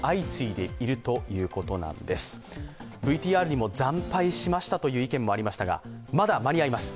ＶＴＲにも惨敗しましたという意見がありましたが、まだ間に合います。